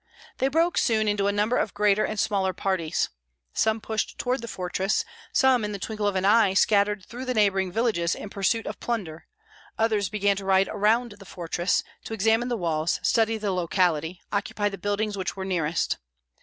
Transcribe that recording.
They broke soon into a number of greater and smaller parties. Some pushed toward the fortress; some in the twinkle of an eye scattered through the neighboring villages in pursuit of plunder; others began to ride around the fortress, to examine the walls, study the locality, occupy the buildings which were nearest.